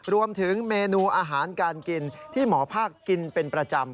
รวมถึงเมนูอาหารการกินที่หมอภาคกินเป็นประจำ